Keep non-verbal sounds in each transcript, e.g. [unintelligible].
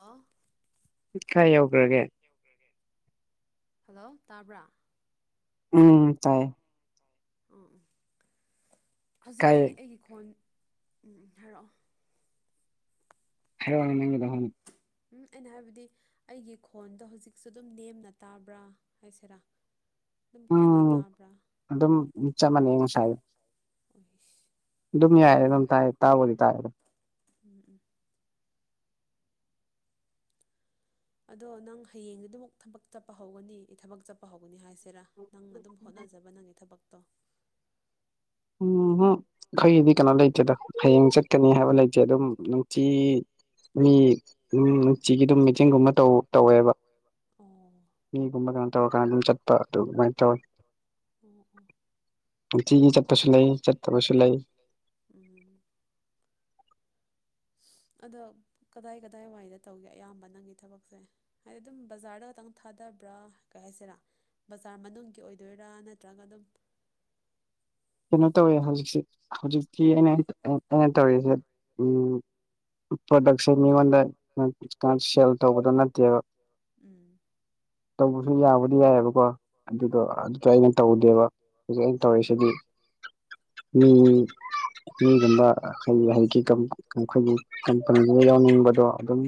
ꯑ ꯠ ꯈꯥꯏ ꯌꯧꯈ꯭ꯔꯒꯦ ꯍꯜꯂꯣ ꯇꯥꯕ꯭ꯔꯥ ꯎꯝ ꯇꯥꯏꯌꯦ ꯎꯝ ꯎ ꯀꯥꯏ ꯍꯧꯖꯤꯛꯇꯤ ꯑꯩꯒꯤ ꯈꯣꯟ ꯎꯝ ꯍꯥꯏꯔꯛꯑꯣ ꯍꯅꯦ ꯅꯪꯒꯗ ꯎꯝ ꯑꯩꯅ ꯍꯥꯏꯕꯗꯤ ꯑꯩꯒꯤ ꯈꯣꯟꯗꯣ ꯍꯧꯖꯤꯛꯁꯨ ꯑꯗꯨꯝ ꯅꯦꯝꯅ ꯇꯥꯕ꯭ꯔꯥ ꯍꯥꯏꯁꯤꯔꯥ ꯑꯗꯨꯝ ꯀꯟꯅ ꯎꯝ ꯇꯥꯕ꯭ꯔꯥ ꯑꯗꯨꯝ ꯆꯞ ꯃꯥꯟꯅꯩ ꯉꯁꯥꯏ ꯑꯗꯨꯝ ꯌꯥꯏꯌ‌ꯦ ꯑꯗꯨꯝ ꯇꯥꯏ ꯇꯥꯕꯨꯗꯤ ꯇꯥꯏꯑꯦꯗꯣ ꯎꯝ ꯎꯝ ꯑꯗꯣ ꯅꯪ ꯍꯌꯦꯡꯗꯤ ꯑꯗꯨ ꯑꯃꯨꯛ ꯊꯕꯛ ꯆꯠꯄ ꯍꯧꯒꯅꯤ ꯑꯩ ꯊꯕꯛ ꯆꯠꯄ ꯍꯧꯒꯅꯤ ꯍꯥꯏꯁꯦ ꯁꯦꯔꯥ ꯅꯪ ꯑꯗꯨꯝ ꯍꯣꯠꯅꯖꯕ ꯅꯪꯒꯤ ꯊꯕꯛꯇꯣ ꯎꯝ [unintelligible] ꯑꯩꯈꯣꯏꯒꯤꯗꯤ ꯀꯩꯅꯣ ꯂꯩꯇꯦꯗ ꯍꯌꯦꯡ ꯆꯠꯀꯅꯤ ꯍꯥꯏꯕ ꯂꯩꯇꯦ ꯑꯗꯨꯝ ꯅꯨꯡꯇꯤ ꯃꯤ ꯎꯝ ꯅꯨꯡꯇꯤꯒꯤ ꯑꯗꯨꯝ ꯃꯤꯇꯤꯡꯡꯒꯨꯝꯕ ꯇꯧ ꯇꯧꯋꯦꯕ ꯑꯣ ꯃꯤꯒꯨꯝꯕ ꯀꯩꯅꯅ ꯇꯧꯔꯀꯥꯟꯗ ꯑꯗꯨꯝ ꯆꯠꯄ ꯑꯗꯨꯃꯥꯏꯅ ꯇꯧꯋꯤ ꯑꯝ ꯑꯝ ꯅꯨꯡꯇꯤꯒꯤ ꯆꯠꯄꯁꯨ ꯂꯩ ꯆꯠꯇꯕꯁꯨ ꯂꯩ ꯎꯝ ꯑꯗꯣ ꯀꯗꯥꯏ ꯀꯗꯥꯏꯋꯥꯏꯗ ꯇꯧꯒꯦ ꯑꯌꯥꯝꯕ ꯅꯪꯒꯤ ꯊꯕꯛꯁꯦ ꯍꯥꯏꯗꯤ ꯑꯗꯨꯝ ꯕꯖꯥꯔꯗ ꯈꯛꯇꯪ ꯊꯥꯗꯕ꯭ꯔꯥ ꯀꯩ ꯍꯥꯏꯁꯤꯔꯥ ꯕꯖꯥꯔ ꯃꯅꯨꯡꯒꯤ ꯑꯣꯏꯗꯣꯏꯔꯥ ꯅꯠꯇ꯭ꯔꯒ ꯑꯗꯨꯝ ꯀꯩꯅꯣ ꯇꯧꯋꯦ ꯍꯧꯖꯤꯛꯁꯤ ꯍꯧꯖꯤꯛꯇꯤ ꯑꯩꯅ ꯑꯩꯅ ꯇꯧꯔꯤꯁꯦ ꯎꯝ ꯄ꯭ꯔꯗꯛꯁꯦ ꯃꯤꯉꯣꯟꯗ ꯁꯦꯜ ꯇꯧꯕꯗꯣ ꯅꯠꯇꯦꯕ ꯎꯝ ꯇꯧꯕꯁꯨ ꯌꯥꯕꯨꯗꯤ ꯌꯥꯏꯑꯕꯀꯣ ꯑꯗꯨꯗꯣ ꯎꯝ ꯑꯗꯨꯗꯣ ꯑꯩꯅ ꯇꯧꯗꯦꯕ ꯍꯧꯖꯤꯛ ꯑꯩꯅ ꯑꯣ ꯇꯧꯔꯤꯁꯤꯗꯤ ꯃꯤ ꯃꯤꯒꯨꯝꯕ ꯍꯥꯏ ꯍꯧ [unintelligible] ꯑꯩꯈꯣꯏꯒꯤ ꯀꯝꯄꯅꯤ ꯑꯃ ꯌꯥꯎꯅꯤꯡꯕꯗꯣ ꯑꯗꯨꯝ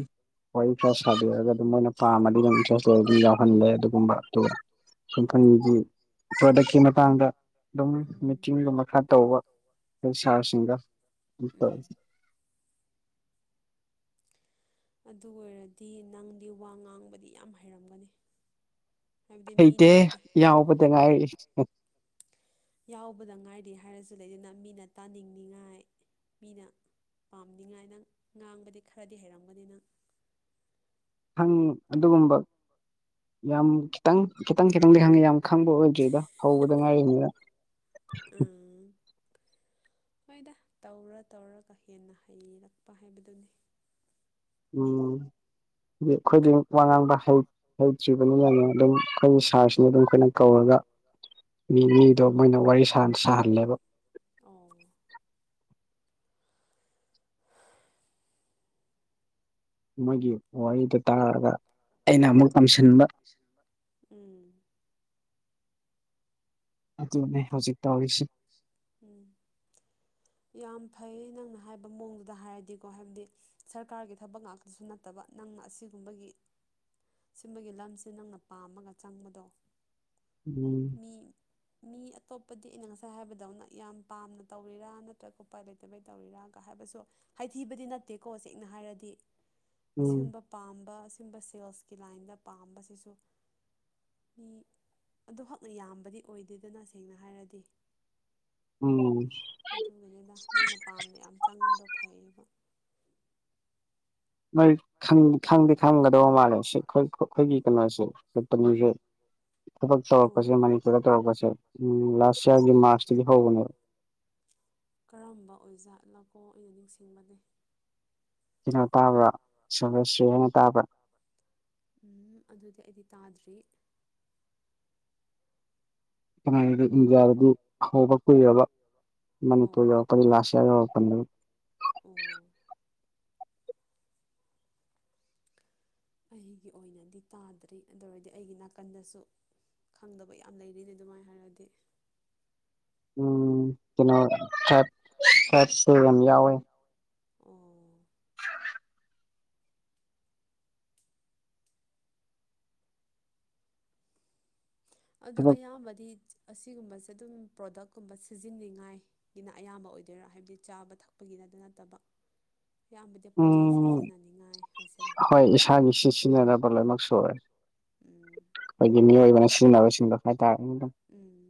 ꯋꯔꯤ ꯈꯔꯥ ꯁꯥꯕꯤꯔꯒ ꯑꯗꯨꯝ ꯃꯣꯏꯅ ꯄꯥꯝꯃꯗꯤ ꯑꯗꯨꯝ ꯏꯟꯇꯔꯦꯁ ꯂꯩꯔꯗꯤ ꯑꯗꯨꯝ ꯌꯥꯎꯍꯜꯂꯦ ꯑꯗꯨꯒꯨꯝꯕ ꯑꯗꯨ ꯑꯣ ꯀꯝꯄꯅꯤꯒꯤ [unintelligible] ꯄ꯭ꯔꯗꯛꯀꯤ ꯃꯇꯥꯡꯗ ꯑꯗꯨꯝ ꯎꯝ ꯆꯤꯡꯒꯨꯝꯕ ꯈꯔꯥ ꯇꯧꯕ ꯑꯩꯈꯣꯏ ꯁꯥꯔꯁꯤꯡꯒ ꯎꯝ ꯑꯗꯨ ꯑꯣꯏꯔꯗꯤ ꯅꯪꯗꯤ ꯋꯥ ꯉꯥꯡꯕꯗꯤ ꯌꯥꯝ ꯍꯩꯔꯝꯒꯅꯤ ꯍꯥꯏꯕꯗꯤ ꯃꯤꯅ ꯍꯩꯇꯦꯍ‌ꯦ ꯌꯥꯎꯕꯗ ꯉꯥꯏꯔꯤ ꯌꯥꯎꯕꯗ ꯉꯥꯏꯔꯤ ꯍꯥꯏꯔꯁꯨ ꯂꯩꯗꯅ ꯃꯤꯅ ꯇꯥꯅꯤꯡꯅꯤꯉꯥꯏ ꯃꯤꯅ ꯄꯥꯝꯅꯤꯡꯉꯥꯏ ꯅꯪ ꯉꯥꯡꯕꯗꯤ ꯈꯔꯗꯤ ꯍꯩꯔꯝꯒꯅꯤ ꯅꯪ ꯈꯪ ꯑꯗꯨꯒꯨꯝꯕ ꯌꯥꯝ ꯈꯤꯇꯪ ꯈꯤꯇꯪ ꯈꯤꯇꯪꯗꯤ ꯈꯪꯉꯤ ꯌꯥꯝ ꯈꯪꯕ ꯑꯣꯏꯗ꯭ꯔꯤꯗ ꯍꯧꯕꯗ ꯉꯥꯏꯔꯤꯃꯤꯅ ꯎꯝ ꯍꯣꯏꯗ ꯇꯧꯔ ꯇꯧꯔꯒ ꯍꯦꯟꯅ ꯍꯩꯔꯛꯄ ꯍꯥꯏꯕꯗꯨꯅꯤ ꯎꯝ ꯑꯩꯈꯣꯏꯗꯤ ꯋꯥ ꯉꯥꯡꯕ ꯍꯩ ꯍꯩꯇ꯭ꯔꯤꯕꯅꯤꯅꯅꯦ ꯑꯗꯨꯝ ꯑꯩꯈꯣꯏꯒꯤ ꯁꯥꯔꯁꯤꯅ ꯑꯗꯨꯝ ꯑꯩꯈꯣꯏꯅ ꯀꯧꯔꯒ ꯃꯤ ꯃꯤꯗꯣ ꯎꯝ ꯃꯣꯏꯅ ꯋꯥꯔꯤ ꯁꯥ ꯁꯥꯍꯜꯂꯦꯕ ꯑꯣ [unintelligible] ꯃꯣꯏꯒꯤ ꯋꯥꯔꯤꯗꯨ ꯇꯥꯔꯒ ꯑꯩꯅ ꯑꯃꯨꯛ ꯇꯝꯁꯤꯟꯕ ꯏꯁꯤꯟꯕ ꯎꯝ ꯑꯗꯨꯅꯦ ꯍꯧꯖꯤꯛ ꯇꯧꯔꯤꯁꯤ ꯎꯝ ꯌꯥꯝ ꯐꯩꯌ‌ꯦ ꯅꯪꯅ ꯍꯥꯏꯕ ꯃꯑꯣꯡꯗꯨꯗ ꯍꯥꯏꯔꯗꯤꯀꯣ ꯍꯥꯏꯕꯗꯤ ꯁꯔꯀꯥꯔꯒꯤ ꯊꯕꯛ ꯉꯥꯛꯇꯁꯨ ꯅꯠꯇꯕ ꯅꯪꯅ ꯑꯁꯤꯒꯨꯝꯕꯒꯤ ꯁꯤꯝꯕꯒꯤ ꯂꯝꯁꯦ ꯅꯪꯅ ꯄꯥꯝꯃꯒ ꯆꯪꯕꯗꯣ ꯎꯝ ꯃꯤ ꯃꯤ ꯑꯇꯣꯞꯄꯗꯤ ꯑꯩꯅ ꯉꯁꯥꯏ ꯍꯥꯏꯕꯗꯧꯅ ꯌꯥꯝ ꯄꯥꯝꯅ ꯇꯧꯔꯤꯔꯥ ꯅꯠꯇ꯭ꯔꯒ ꯎꯄꯥꯏ ꯂꯩ ꯀꯃꯩ ꯇꯧꯔꯤꯔꯥꯒ ꯍꯥꯏꯕꯁꯨ ꯍꯥꯏꯊꯤꯕꯗꯤ ꯅꯠꯇꯦꯀꯣ ꯁꯦꯡꯅ ꯍꯥꯏꯔꯗꯤ ꯎꯝ ꯑꯁꯤꯒꯨꯝꯕ ꯄꯥꯝꯕ ꯑꯁꯤꯒꯨꯝꯕ ꯁꯦꯜꯁꯀꯤ ꯂꯥꯏꯟꯗ ꯄꯥꯝꯕꯁꯤꯁꯨ ꯃꯤ ꯑꯗꯨꯈꯛꯅ ꯌꯥꯝꯕꯗꯤ ꯑꯣꯏꯗꯦꯗꯅ ꯁꯦꯡꯅ ꯍꯥꯏꯔꯗꯤ ꯎꯝ ꯑꯗꯨꯒꯤꯅꯤꯗ ꯅꯪꯅ ꯄꯥꯝꯗ ꯌꯥꯝ ꯆꯪꯕꯗꯣ ꯐꯩꯌꯦꯕ ꯃꯣꯏ ꯈꯪꯗꯤꯠꯈꯪꯒꯗꯧꯕ ꯃꯥꯜꯂꯦ ꯁꯤꯈ ꯑꯩꯈꯣꯏꯒꯤ ꯀꯩꯅꯣꯁꯦ [unintelligible] ꯊꯕꯛ ꯇꯧꯔꯛꯄꯖꯦ ꯑꯣ ꯃꯅꯤꯄꯨꯔꯗ ꯇꯧꯔꯛꯄꯁꯦ ꯂꯥꯁ ꯏ꯭ꯌꯥꯔꯒꯤ ꯃꯥꯔꯁꯇꯒꯤ ꯍꯧꯕꯅꯦꯕ ꯀꯔꯝꯕ ꯑꯣꯏꯖꯥꯠꯂꯒꯣ ꯑꯩꯅ ꯅꯤꯡꯁꯤꯡꯕꯅꯦ ꯀꯩꯅꯣ ꯇꯥꯕ꯭ꯔꯥ [unintelligible] ꯍꯥꯏꯅ ꯇꯥꯕ꯭ꯔꯥ ꯎꯝ ꯑꯗꯨꯗꯤ ꯑꯩꯗꯤ ꯇꯥꯗ꯭ꯔꯤ [unintelligible] ꯏꯟꯗꯤꯌꯥꯗꯗꯤ ꯍꯧꯕ ꯀꯨꯏꯔꯕ ꯃꯅꯤꯄꯨꯔ ꯑꯣ ꯌꯧꯔꯛꯄꯅꯤ ꯂꯥꯁ ꯏꯌꯥꯔ ꯌꯧꯔꯛꯄꯅꯤꯗ ꯑꯣ ꯑꯩꯒꯤ ꯑꯣꯏꯅꯗꯤ ꯇꯥꯗ꯭ꯔꯤ ꯑꯗꯨ ꯑꯣꯏꯔꯗꯤ ꯑꯩꯒꯤ ꯅꯥꯀꯟꯗꯁꯨ ꯈꯪꯗꯕ ꯌꯥꯝ ꯂꯩꯔꯤꯅꯦ ꯑꯗꯨꯃꯥꯏꯅ ꯍꯥꯏꯔꯗꯤ ꯎꯝ ꯀꯩꯅꯣ [unintelligible] ꯇ꯭ꯔꯥꯏꯞꯁꯨ ꯌꯥꯝ ꯌꯥꯎꯋꯦ [unintelligible] ꯑꯣ ꯑꯗꯣ ꯑꯗꯨ ꯑꯌꯥꯝꯕꯗꯤ ꯑꯁꯤꯒꯨꯝꯕꯁꯦ ꯑꯗꯨꯝ ꯄ꯭ꯔꯣꯗꯛꯀꯨꯝꯕ ꯁꯤꯖꯤꯟꯅꯅꯤꯡꯉꯥꯏ ꯒꯤꯅ ꯑꯌꯥꯝꯕ ꯑꯣꯏꯗꯣꯏꯔꯥ ꯍꯥꯏꯕꯗꯤ ꯆꯥꯕ ꯊꯛꯄꯒꯤꯅꯠꯇ ꯅꯠꯇꯕ ꯑꯌꯥꯝꯕꯗꯤ ꯄꯣꯠ ꯆꯩꯩ ꯎꯝ ꯁꯤꯖꯤꯟꯅꯅꯤꯉꯥꯏ ꯍꯥꯏꯁꯤꯔꯥ [inaudible] ꯍꯣꯏ ꯏꯁꯥꯒꯤ ꯁꯤ ꯁꯤꯖꯤꯟꯅꯅꯕ ꯂꯣꯏꯅꯃꯛ ꯁꯨꯔꯦ ꯎꯝ ꯑꯩꯈꯣꯏꯒꯤ ꯃꯤꯑꯣꯏꯕꯅ ꯁꯤꯖꯤꯟꯅꯕꯁꯤꯡꯗꯣ ꯍꯥꯏꯇꯥꯔꯦ ꯎꯝ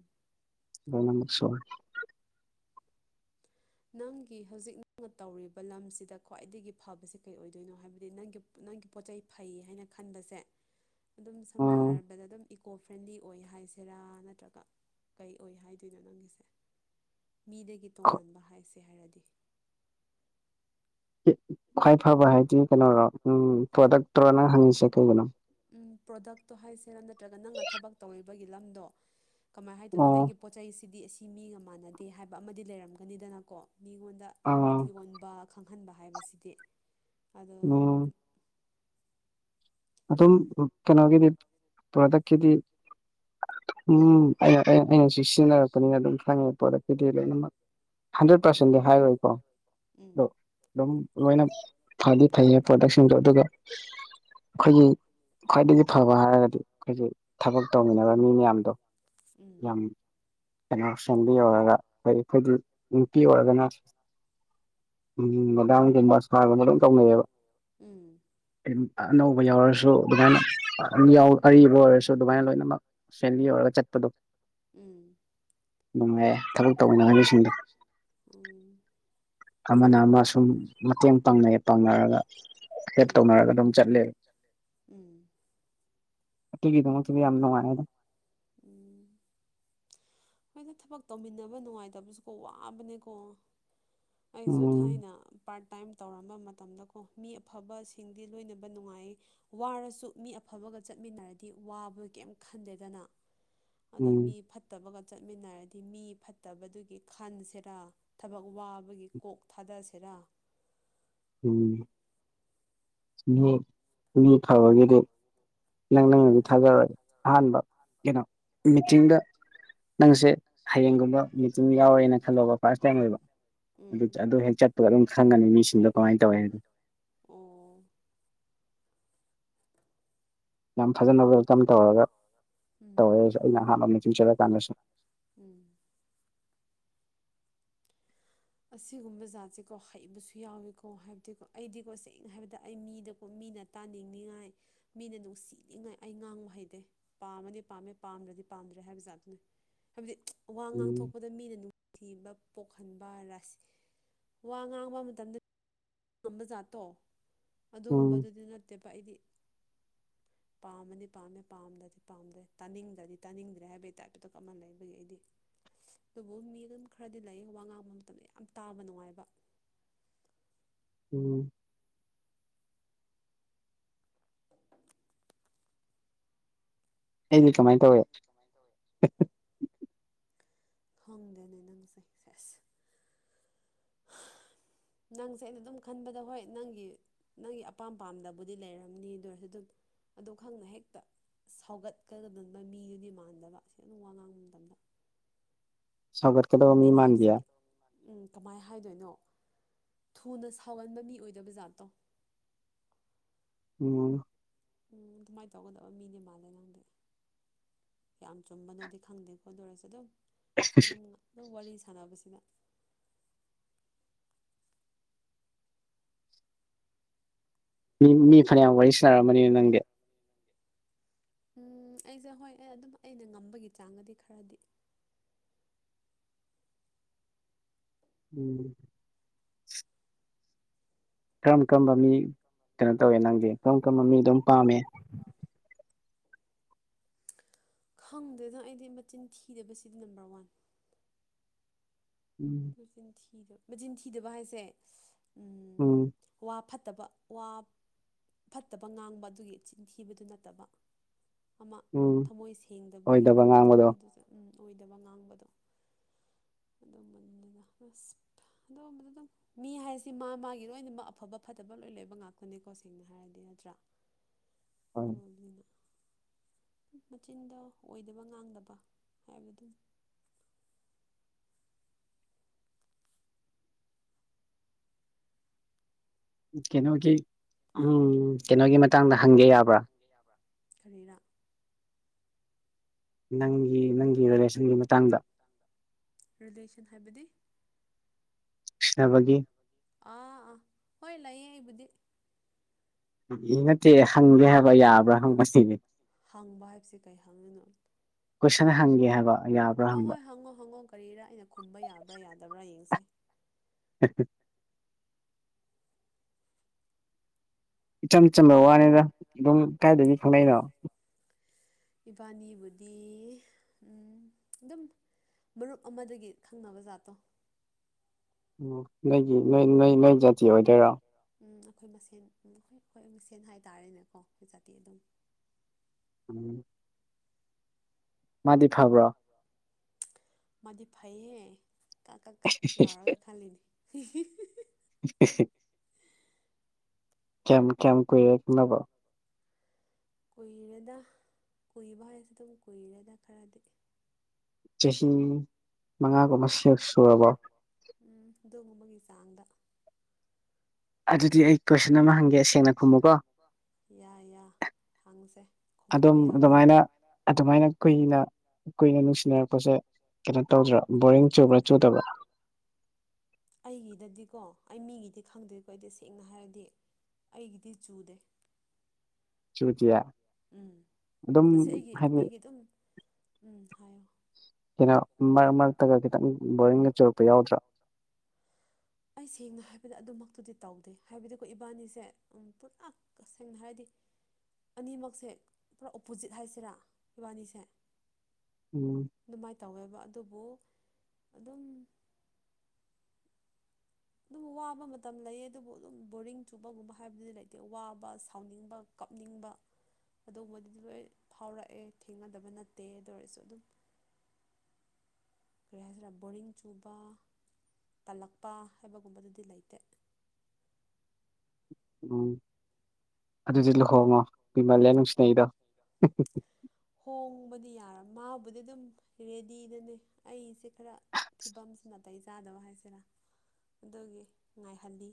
ꯅꯪꯒꯤ ꯍꯧꯖꯤꯛ ꯅꯪꯅ ꯇꯧꯔꯤꯕ ꯂꯝꯁꯤꯗ ꯈ꯭ꯋꯥꯏꯗꯒꯤ ꯐꯕꯁꯤ ꯀꯩ ꯑꯣꯏꯗꯣꯏꯅꯣ ꯍꯥꯏꯕꯗꯤ ꯅꯪꯒꯤ ꯅꯪꯒꯤ ꯄꯣꯠꯆꯩ ꯐꯩ ꯍꯥꯏꯅ ꯈꯟꯕꯁꯦ [inaudible] ꯑꯗꯨꯝ ꯁꯝꯅ ꯎꯝ ꯍꯥꯏꯔꯕꯗ ꯑꯗꯨꯝ ꯏꯀꯣ ꯐ꯭ꯔꯦꯟꯂꯤ ꯑꯣꯏ ꯍꯥꯏꯁꯤꯔꯥ ꯅꯠꯇ꯭ꯔꯒ ꯀꯩ ꯑꯣꯏ ꯍꯥꯏꯗꯣꯏꯅꯣ ꯅꯪꯒꯤꯁꯦ ꯃꯤꯗꯒꯤ ꯇꯣꯉꯥꯟꯕ ꯍꯥꯏꯁꯦ ꯍꯥꯏꯔꯗꯤ ꯈ꯭ꯋꯥꯏ ꯐꯕ ꯍꯥꯏꯗꯤ ꯀꯩꯅꯔꯣ ꯎꯝ ꯄ꯭ꯔꯣꯗꯛꯇꯔꯣ ꯅꯪ ꯍꯪꯉꯤꯁꯦ ꯀꯩꯒꯤꯅꯣ ꯎꯝ ꯄ꯭ꯔꯣꯗꯛꯇꯣ ꯍꯥꯏꯁꯦꯔꯥ ꯅꯠꯇ꯭ꯔꯒ ꯅꯪꯅ ꯊꯕꯛ ꯇꯧꯔꯤꯕꯒꯤ ꯂꯝꯗꯣ ꯀꯃꯥꯏꯅ ꯍꯥꯏꯗꯣꯏꯅꯣ ꯑꯣ ꯑꯩꯒꯤ ꯄꯣꯠ ꯆꯩꯩꯁꯤꯗꯤ ꯑꯁꯤ ꯃꯤꯒ ꯃꯥꯟꯅꯗꯦ ꯍꯥꯏꯕ ꯑꯃꯗꯤ ꯂꯩꯔꯝꯒꯅꯤꯗꯅꯀꯣ ꯃꯤꯉꯣꯟꯗ ꯑꯥ ꯌꯣꯟꯕ ꯈꯪꯍꯟꯕ ꯍꯥꯏꯕꯁꯤꯗꯤ ꯑꯗꯣ ꯎꯝ ꯑꯗꯨꯝ ꯑꯗꯨꯝ ꯀꯩꯅꯣꯒꯤꯗꯤ ꯄ꯭ꯔꯗꯛꯀꯤꯗꯤ ꯎꯝ ꯑꯩꯅ ꯑꯩꯅ ꯁꯤ ꯁꯤꯖꯤꯟꯅꯔꯛꯄꯅꯤꯅ ꯑꯗꯨꯝ ꯈꯪꯉꯦ ꯄꯔꯗꯛꯀꯤꯗꯤ ꯂꯣꯏꯅꯃꯛ ꯍꯟꯗ꯭ꯔꯦꯠ ꯄꯥꯔꯁꯦꯟꯗꯤ ꯍꯥꯏꯔꯣꯏꯏꯀꯣ ꯑꯗꯣ ꯎꯝ ꯑꯗꯨꯝ ꯂꯣꯏꯅ ꯐꯗꯤ ꯐꯩꯌꯦ ꯄ꯭ꯔꯗꯛꯁꯤꯡꯗꯣ ꯑꯗꯨꯒ ꯑꯩꯈꯣꯏꯒꯤ ꯈ꯭ꯋꯥꯏꯗꯒꯤ ꯐꯕ ꯍꯥꯏꯔꯒꯗꯤ ꯑꯩꯈꯣꯏꯒꯤ ꯊꯕꯛ ꯇꯧꯃꯤꯟꯅꯕ ꯃꯤ ꯃꯌꯥꯝꯗꯣ [inaudible] ꯎꯝ ꯌꯥꯝ ꯀꯩꯅꯣ ꯁꯦꯝꯕꯤ ꯑꯣꯏꯔꯒ ꯑꯩꯈꯣꯏ ꯅꯨꯄꯤ ꯑꯣꯏꯔꯒꯅ ꯎꯝ [unintelligible] [inaudible] ꯎꯝ ꯑꯅꯧꯕ ꯌꯥꯎꯔꯁꯨ ꯑꯗꯨꯃꯥꯏꯅ ꯑꯔꯤꯕ ꯑꯣꯏꯔꯁꯨ ꯑꯗꯨꯃꯥꯏꯅ ꯂꯣꯏꯅꯃꯛ ꯁꯦꯟꯗꯤ ꯑꯣꯏꯔꯒ ꯆꯠꯄꯗꯣ ꯎꯝ ꯅꯨꯡꯉꯥꯏꯌꯦ ꯊꯕꯛ ꯇꯧꯃꯤꯟꯅꯤ ꯉꯥꯏ ꯃꯤꯁꯤꯡꯗꯣ [unintelligible] ꯎꯝ ꯑꯃꯅ ꯑꯃ ꯁꯨꯝ ꯃꯇꯦꯡ ꯄꯥꯡꯅꯩꯌꯦ ꯄꯥꯡꯅꯔꯒ ꯍꯦꯞ ꯎꯝ ꯎꯝ ꯇꯧꯅꯔꯒ ꯑꯗꯨꯝ ꯆꯠꯂꯦ [inaudible] ꯎꯝ ꯑꯗꯨꯒꯤꯗꯉꯛꯇ ꯌꯥꯝꯅꯨꯡꯉꯥꯏ ꯎꯝ [inaudible] ꯍꯣꯏꯗ ꯊꯕꯛ ꯇꯧꯃꯤꯟꯅꯕ ꯅꯨꯡꯉꯥꯏꯇꯕꯁꯨꯀꯣ ꯋꯥꯕꯅꯦꯀꯣ ꯑꯩꯁꯨ ꯎꯝ ꯊꯥꯏꯅ ꯄꯥꯔ꯭ꯠ ꯇꯥꯏꯝ ꯇꯧꯔꯝꯕ ꯃꯇꯝꯗꯀꯣ ꯃꯤ ꯑꯐꯕꯁꯤꯡꯗꯤ ꯂꯣꯏꯅꯕ ꯅꯨꯡꯉꯥꯏ ꯋꯥꯔꯁꯨ ꯃꯤ ꯑꯐꯕꯒ ꯆꯠꯃꯤꯟꯅꯔꯗꯤ ꯋꯥꯕ ꯀꯩꯝ ꯈꯟꯗꯦꯗꯅ ꯑꯗꯣ ꯎꯝ ꯃꯤ ꯐꯠꯇꯕꯒ ꯆꯠꯃꯤꯟꯅꯔꯗꯤ ꯃꯤ ꯐꯠꯇꯕꯗꯨꯒꯤ ꯈꯟꯁꯦꯔꯥ ꯊꯕꯛ ꯋꯥꯕꯒꯤ ꯀꯣꯛ ꯊꯥꯗꯑꯁꯤꯔꯥ ꯎꯝ ꯃꯤ ꯃꯤ ꯊꯥꯑꯣꯒꯦꯗ ꯅꯪ ꯅꯪꯅꯗꯤ ꯊꯥꯖꯔꯒꯦ ꯑꯍꯥꯟꯕ ꯀꯩꯅꯣ ꯃꯤꯇꯤꯡꯗ ꯅꯪꯁꯦ ꯍꯌꯦꯡꯒꯨꯝꯕ ꯃꯤꯆꯤꯡ ꯌꯥꯎꯔꯦꯅ ꯈꯜꯂꯣꯕ ꯐꯥꯔꯁ ꯇꯥꯏꯝ ꯑꯣꯏꯕ ꯎꯝ ꯑꯗꯨ ꯍꯦꯛ ꯆꯠꯄꯒ ꯑꯗꯨꯝ ꯈꯪꯒꯅꯤ ꯃꯤꯁꯤꯡꯗꯣ ꯀꯃꯥꯏꯅ ꯇꯧꯋꯦ ꯍꯥꯏꯗꯣ ꯑꯣ ꯌꯥꯝ ꯐꯖꯅ ꯋꯦꯜ ꯀꯝ ꯇꯧꯔꯒ ꯎꯝ ꯇꯧꯋꯦꯁꯨ ꯑꯩꯅ ꯑꯍꯥꯟꯕ ꯃꯤꯇꯤꯡ ꯆꯠꯂꯀꯥꯅꯗꯁꯨ ꯎꯝ ꯑꯁꯤꯒꯨꯝꯕ ꯖꯥꯠꯁꯦꯀꯣ ꯍꯩꯕꯁꯨ ꯌꯥꯎꯋꯦꯀꯣ ꯍꯥꯏꯕꯗꯤꯀꯣ ꯑꯩꯗꯤꯀꯣ ꯁꯦꯡꯅ ꯍꯥꯏꯕꯗ ꯑꯩ ꯃꯤꯗꯀꯣ ꯃꯤꯅ ꯇꯥꯅꯤꯡꯅꯤꯡꯉꯥꯏ ꯃꯤꯅ ꯅꯨꯡꯁꯤꯅꯤꯡꯉꯥꯏ ꯑꯩ ꯉꯥꯡꯕ ꯍꯩꯇꯦ ꯄꯥꯝꯃꯗꯤ ꯄꯥꯝꯃꯦ ꯄꯥꯝꯗ꯭ꯔꯗꯤ ꯄꯥꯝꯗ꯭ꯔꯦ ꯍꯥꯏꯕꯖꯥꯠ ꯑꯗꯨꯅꯤ ꯍꯥꯏꯕꯗꯤ ꯋꯥ ꯎꯝ ꯉꯥꯡꯊꯣꯛꯄꯗ ꯃꯤꯅ ꯅꯨꯡꯁꯤꯕ ꯄꯣꯛꯍꯟꯕ ꯋꯥ ꯉꯥꯡꯕ ꯃꯇꯝꯗ ꯉꯝꯕꯖꯥꯠꯇꯣ ꯎꯝ ꯑꯗꯨꯒꯨꯝꯕꯗꯨꯗꯤ ꯅꯠꯇꯦꯕ ꯑꯩꯗꯤ [inaudible] ꯄꯥꯝꯃꯗꯤ ꯄꯥꯝꯃꯦ ꯄꯥꯝꯗ꯭ꯔꯗꯤ ꯄꯥꯝꯗ꯭ꯔꯦ ꯇꯥꯅꯤꯡꯗ꯭ꯔꯗꯤ ꯇꯥꯅꯤꯡꯗ꯭ꯔꯦ ꯍꯥꯏꯕꯒꯤ ꯇꯥꯏꯞꯇꯨꯇꯗ ꯀ ꯑꯃ ꯂꯩꯕꯒꯤ ꯑꯩꯗꯤ ꯑꯗꯨꯕꯨ ꯃꯤ ꯑꯗꯨꯝ ꯈꯔꯗꯤ ꯂꯩ ꯋꯥ ꯉꯥꯡꯕ ꯃꯇꯝꯗ ꯌꯥꯝ ꯇꯥꯕ ꯅꯨꯡꯉꯥꯏꯕ ꯎꯝ ꯑꯩꯗꯤ ꯀꯃꯥꯏꯅ ꯇꯧꯋꯦ ꯈꯪꯗꯦꯅꯦ ꯅꯪꯁꯦ ꯁꯦꯁ [inaudible] ꯅꯪꯁꯦ ꯑꯩꯅ ꯑꯗꯨꯝ ꯈꯟꯕꯗ ꯍꯣꯏ ꯅꯪꯒꯤ ꯅꯪꯒꯤ ꯑꯄꯥꯝ ꯄꯥꯝꯗꯕꯨꯗꯤ ꯂꯩꯔꯝꯅꯤ ꯑꯗꯨ ꯑꯣꯏꯔꯁꯨ ꯑꯗꯨꯝ ꯑꯗꯨ ꯈꯪꯅ ꯍꯦꯛꯇ ꯁꯥꯎꯒꯠꯀꯗꯗꯕ ꯃꯤꯗꯨꯗꯤ ꯃꯥꯟꯗꯕ ꯁꯤ ꯑꯗꯨꯝ ꯋꯥ ꯉꯥꯡꯕ ꯃꯇꯝꯗ ꯁꯥꯎꯒꯠꯀꯗꯕ ꯃꯤ ꯑꯩꯅ ꯃꯥꯟꯗꯤꯌꯦ ꯍꯥꯏꯕꯁꯤꯒꯦ ꯎꯝ ꯀꯃꯥꯏꯅ ꯍꯥꯏꯗꯣꯏꯅꯣ ꯊꯨꯅ ꯁꯥꯎꯒꯟꯕ ꯃꯤ ꯑꯣꯏꯗꯕ ꯖꯥꯠꯇꯣ ꯎꯝ [unintelligible] ꯎꯝ ꯑꯗꯨꯃꯥꯏꯅ ꯇꯧꯒꯗꯕ ꯃꯤꯅꯦ ꯃꯥꯜꯂꯦ ꯅꯪꯗꯤ ꯀꯌꯥꯝ ꯆꯨꯝꯕꯅꯣꯗꯤ ꯈꯪꯗꯦ ꯈꯣꯠꯇꯣꯔꯁꯦ ꯑꯗꯨꯝ ꯁꯤ ꯑꯗꯨꯝ ꯑꯗꯨꯝ ꯋꯥꯔꯤ ꯁꯥꯟꯅꯕꯁꯤꯗ ꯅꯪ ꯃꯤ ꯐꯅꯌꯥꯝ ꯋꯥꯔꯤ ꯁꯥꯟꯅꯔꯃꯅꯤꯅ ꯅꯪꯗꯤ ꯎꯝ ꯑꯩꯁꯦ ꯍꯣꯏ ꯑꯗꯨꯝ ꯑꯩꯅ ꯉꯝꯕꯒꯤ ꯆꯥꯡꯒꯗꯤ ꯈꯔꯗꯤ ꯎꯝ [unintelligible] ꯀꯔꯝ ꯀꯔꯝꯕ ꯃꯤ ꯀꯩꯅꯣ ꯇꯧꯋꯦ ꯅꯪꯗꯤ ꯀꯔꯝ ꯀꯔꯝꯕ ꯃꯤ ꯑꯗꯨꯝ ꯄꯥꯝꯃꯦ ꯄꯥꯃꯤ ꯈꯪꯗꯦꯗ ꯑꯩꯗꯤ ꯃꯆꯤꯟ ꯊꯤꯗꯕꯁꯤꯗꯤ ꯅꯝꯕꯔ ꯋꯥꯟ ꯎꯝ [unintelligible] ꯃꯆꯤꯟ ꯊꯤꯗꯕ ꯃꯆꯤꯟ ꯊꯤꯗꯕ ꯍꯥꯏꯁꯦ ꯎꯝ ꯋꯥ ꯐꯠꯇꯕ ꯋꯥ ꯐꯠꯇꯕ ꯉꯥꯡꯕ ꯑꯗꯨꯒꯤ ꯆꯤꯟꯊꯤꯕꯗꯨ ꯅꯠꯇꯕ ꯑꯃ ꯎꯝ ꯊꯃꯣꯏ ꯁꯦꯡꯗꯕꯒꯤ ꯑꯣꯏꯗꯕ ꯉꯥꯡꯕꯗꯣ ꯑꯗꯨꯝꯕꯗꯨꯁꯨ ꯑꯣꯏꯗꯕ ꯉꯥꯡꯕꯗꯣ ꯑꯗꯨ ꯃꯨꯗꯅ ꯑꯁ [unintelligible] ꯃꯤ ꯍꯥꯏꯁꯤ ꯃꯥ ꯃꯥꯒꯤ ꯂꯣꯏꯅꯃꯛ ꯑꯐꯕ ꯐꯠꯇꯕ ꯂꯣꯏ ꯂꯩꯕ ꯉꯥꯛꯇꯅꯤꯀꯣ ꯁꯤ ꯁꯦꯡꯅ ꯍꯥꯏꯔꯗꯤ ꯅꯠꯇ꯭ꯔꯥ ꯑꯗꯨ ꯑꯗꯨꯅ ꯃꯆꯤꯟꯗ ꯑꯣꯏꯗꯕ ꯉꯥꯡꯗꯕ ꯍꯥꯏꯕꯗꯨ ꯑꯗꯨꯝ ꯀꯩꯅꯣꯒꯤ ꯎꯝ ꯀꯩꯅꯣꯒꯤ ꯃ ꯇꯥꯡꯅ ꯍꯪꯉꯦ ꯌꯥ꯭ꯔꯥ ꯀꯔꯤꯔ ꯅꯪꯒꯤ ꯅꯪꯒꯤ ꯔꯤꯂꯦꯁꯟꯒꯤ ꯃꯇꯥꯡꯗ ꯔꯤꯂꯦꯁꯟ ꯍꯥꯏꯕꯗꯤ ꯅꯕꯒꯤ ꯑꯥ ꯑꯥ ꯍꯣꯏ ꯂꯩꯌꯦ ꯑꯩꯕꯨꯗꯤ ꯏ ꯅꯠꯇꯦ ꯍꯪꯒꯦ ꯍꯥꯏꯕ ꯌꯥꯕ꯭ꯔꯥ ꯍꯪꯕꯁꯤꯅꯦ ꯍꯥꯡꯕ ꯍꯥꯏꯕꯕꯁꯤꯦ ꯀꯩ ꯍꯪꯉꯤꯅꯣ ꯀꯣꯏꯁꯟ ꯍꯪꯒꯦ ꯍꯥꯏꯕ ꯌꯥꯕ꯭ꯔꯥ ꯍꯣꯏ ꯍꯪꯕ ꯍꯣꯏ ꯍꯪꯉꯣ ꯍꯪꯉꯣ ꯀꯔꯤꯔꯥ ꯑꯩꯅ ꯈꯨꯝꯕ ꯌꯥꯕ꯭ꯔꯥ ꯌꯥꯗꯕ꯭ꯔꯥ ꯌꯦꯡꯁꯦ ꯍꯝ ꯍ ꯏꯆꯝ ꯆꯝꯕ ꯋꯥꯅꯤꯅ ꯑꯗꯨꯝ ꯀꯗꯥꯥꯏꯗꯒꯤ ꯈꯪꯂꯛꯏꯅꯣ ꯏꯕꯥꯅꯤꯕꯨꯗꯤ ꯎꯝ ꯑꯦꯝ ꯃꯔꯨꯞ ꯑꯃꯗꯒꯤ ꯈꯪꯅꯕ ꯖꯥꯠꯇꯣ ꯎ ꯅꯣꯏꯒꯤ ꯅꯣꯏ ꯅꯣꯏ ꯅꯣꯏ ꯖꯥꯇꯤ ꯑꯣꯏꯗꯣꯏꯔꯣ ꯎ ꯑꯩꯈꯣꯏ ꯃꯁꯦꯟ ꯑꯩꯈꯣꯏ ꯑꯩꯈꯣꯏ ꯃꯁꯦꯟ ꯍꯥꯏꯇꯥꯔꯦꯅꯦꯀꯣ ꯑꯩꯈꯣꯏ ꯖꯥꯇꯤ ꯑꯗꯨꯝ ꯎꯝ ꯃꯥꯗꯤ ꯐꯕ꯭ꯔꯣ ꯃꯗꯤ ꯐꯩꯌꯦꯦ ꯀꯛ ꯀꯛ ꯀꯛ ꯂꯥꯎꯔꯒ ꯈꯜꯂꯤꯅꯤ ꯁꯤ ꯀꯌꯥꯝ ꯀꯌꯥꯝ ꯀꯨꯏꯔꯦꯅꯕ ꯀꯨꯏꯔꯦꯅ ꯀꯨꯏꯕ ꯍꯥꯏꯔꯁꯨ ꯑꯗꯨꯝ ꯀꯨꯏꯔꯦꯅ ꯈꯔꯗꯤ ꯆꯍꯤ ꯃꯉꯥꯒꯨꯝꯕ ꯁꯨꯔꯕꯣ ꯎꯝ ꯑꯗꯨꯒꯣꯨꯝꯕꯒꯤ ꯆꯥꯡꯗ ꯑꯩ ꯑꯗꯨꯗꯤ ꯀꯣꯏꯁꯟ ꯑꯃ ꯍꯪꯒꯦ ꯁꯦꯡꯅ ꯈꯨꯝꯃꯨꯀꯣ ꯑꯩꯣꯏꯦ ꯌꯥꯏ ꯌꯥ ꯍꯪꯁꯦ ꯑꯗꯨꯝ ꯈꯨꯝꯕ ꯌꯥꯕ꯭ꯔꯥ ꯑꯗꯨꯃꯥꯏꯅ ꯑꯗꯨꯃꯥꯏꯅ ꯀꯨꯏꯅ ꯀꯨꯏꯅ ꯅꯨꯡꯁꯤꯅꯔꯛꯄꯁꯦ ꯀꯩꯅꯣ ꯇꯧꯗ꯭ꯔꯥ ꯕꯣꯔꯤꯡ ꯆꯨꯕ꯭ꯔꯥ ꯆꯨꯗꯕ꯭ꯔꯥ ꯑꯩꯒꯤꯗꯗꯤꯀꯣ ꯑꯩ ꯃꯤꯒꯤꯗꯤ ꯈꯪꯗꯦꯀꯣ ꯑꯩꯗꯤ ꯁꯦꯡꯅ ꯍꯥꯏꯔꯗꯤ ꯑꯩꯒꯤꯗꯤ ꯆꯨꯗꯦ ꯆꯨꯇꯌꯥ ꯎꯝ ꯑꯁꯤꯁ ꯑꯩꯒꯤ ꯑꯩꯒꯤ ꯑꯗꯨꯝ ꯎꯝ ꯍꯥꯏꯌꯣ ꯀꯩꯅꯣ ꯃꯔꯛ ꯃꯔꯛꯇꯒ ꯈꯤꯇꯪ ꯕꯣꯔꯤꯡꯒ ꯆꯨꯔꯛꯄ ꯌꯥꯎꯗ꯭ꯔꯥ [unintelligible] ꯑꯩ ꯁꯦꯡꯅ ꯍꯥꯏꯕꯗ ꯑꯗꯨꯃꯛꯇꯨꯗꯤ ꯇꯧꯗꯦ ꯍꯥꯏꯕꯗꯤꯀꯣ ꯏꯕꯥꯅꯤꯁꯦ ꯄꯨꯂꯞ ꯀꯁꯅ ꯍꯥꯏꯗ ꯑꯅꯤꯃꯛꯁꯦ ꯄꯨꯔꯥ ꯑꯣꯄꯣꯖꯤꯠ ꯍꯥꯏꯁꯤꯔꯥ ꯏꯕꯥꯅꯤꯁꯦ ꯎꯝ ꯑꯗꯨꯃꯥꯏꯅ ꯇꯧꯋꯦꯕ ꯑꯗꯨꯕꯨ ꯑꯗꯨꯝ ꯑꯗꯨꯝ ꯋꯥꯕ ꯃꯇꯝ ꯂꯩꯌꯦ ꯑꯗꯨꯕꯨ ꯑꯗꯨꯝ ꯕꯣꯔꯤꯡ ꯆꯨꯕꯒꯨꯝꯕ ꯍꯥꯏꯕꯗꯨꯗꯤ ꯂꯩꯇꯦ ꯋꯥꯕ ꯁꯥꯎꯅꯤꯡꯕ ꯀꯞꯅꯤꯡꯕ ꯑꯗꯨꯒꯕꯗꯨꯗꯤ ꯂꯣꯏ ꯐꯥꯎꯔꯛꯑꯦ ꯊꯦꯡꯅꯗꯕ ꯅꯠꯇꯦ ꯑꯗꯨ ꯑꯣꯏꯔꯁꯨ ꯑꯗꯨꯝ ꯀꯔꯤ ꯍꯥꯏꯁꯤꯔꯥ ꯕꯣꯔꯤꯡ ꯆꯨꯕ ꯇꯜꯂꯛꯄ ꯍꯥꯏꯕꯒꯨꯝꯕꯗꯗꯤ ꯂꯩꯇꯦ ꯎꯝ ꯑꯗꯨꯗꯤ ꯂꯨꯍꯣꯡꯉꯣ ꯀꯨꯏꯃꯜꯂꯦ ꯅꯨꯡꯁꯤꯅꯩꯗꯣ ꯍꯣꯡꯕꯗꯤ ꯌꯥꯔ ꯃꯥꯕꯨꯗꯤ ꯑꯗꯨꯝ ꯔꯦꯗꯤꯗꯅꯦ ꯑꯩꯁꯦ ꯈꯔ ꯐꯤꯕꯝꯁꯤ ꯅꯥꯇꯩ ꯆꯥꯗꯕ ꯍꯥꯏꯁꯤꯔꯥ ꯑꯗꯨꯒꯤ ꯉꯥꯏꯍꯜꯂꯤ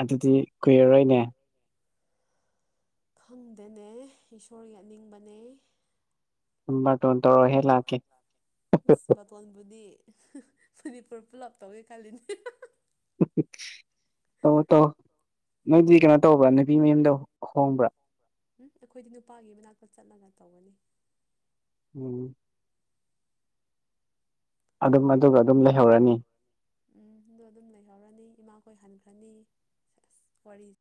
ꯑꯗꯨꯗꯤ ꯀꯨꯏꯔꯔꯣꯏꯅꯦ ꯈꯪꯗꯦꯅꯦ ꯏꯁꯣꯔꯒꯤ ꯑꯅꯤꯡꯕꯅꯦ ꯕꯥꯔꯇꯣꯟ ꯇꯧꯔ ꯍꯦꯛ ꯂꯥꯛꯀꯦ ꯃꯥ ꯐꯀꯣꯟꯕꯨꯗꯤ ꯃꯅꯤꯄꯨꯔ ꯄꯨꯂꯞ ꯇꯧꯋꯦ ꯈꯜꯂꯤꯅꯦ ꯇꯧ ꯇꯧ ꯅꯣꯏꯗꯤ ꯀꯩꯅꯣ ꯇꯧꯕ꯭ꯔ ꯅꯨꯄꯤ ꯃꯌꯨꯝꯗ ꯍꯣꯡꯕ꯭ꯔꯥ ꯎꯝ ꯑꯩꯈꯣꯏꯗꯤ ꯅꯨꯄꯥꯒꯤ ꯃꯅꯥꯛꯇ ꯆꯠꯂꯒ ꯇꯧꯒꯅꯤ ꯎꯝ ꯑꯗꯨꯝ ꯑꯗꯨꯒ ꯑꯗꯨꯝ ꯂꯩꯍꯧꯔꯅꯤ ꯎꯝ ꯑꯗꯨ ꯑꯗꯨꯝ ꯂꯩꯍꯧꯔꯅꯤ ꯏꯃꯥꯈꯣꯏ ꯍꯟꯈ꯭ꯔꯅꯤ ꯑꯁ ꯋꯥꯔꯤ